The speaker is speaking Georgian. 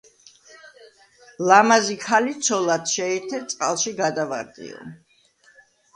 ლამაზი ქალი ცოლად შეირთე - წყალში გადავარდიო.